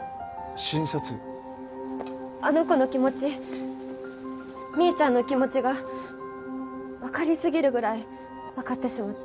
あの子の気持ち未依ちゃんの気持ちがわかりすぎるぐらいわかってしまって。